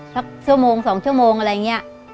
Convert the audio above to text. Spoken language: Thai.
สักชั่วโมง๒ชั่วโมงอะไรอย่างนี้